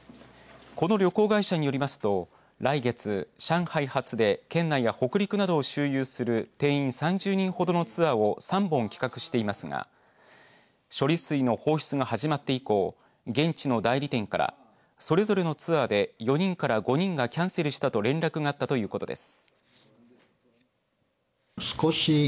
この旅行会社によりますと来月、上海発で県内や北陸などを周遊する定員３０人ほどのツアーを３本企画していますが処理水の放出が始まって以降現地の代理店からそれぞれのツアーで４人から５人がキャンセルしたと連絡があったということです。